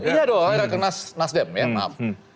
iya dong rakenas nasdem ya maaf